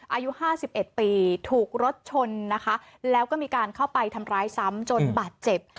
อายุ๕๑ปีถูกรถชนนะคะแล้วก็มีการเข้าไปทำร้ายซ้ำจนบาดเจ็บ